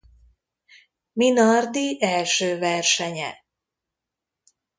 Minardi első versenye.